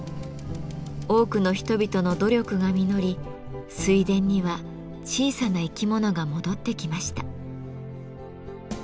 多くの人々の努力が実り水田には小さな生き物が戻ってきました。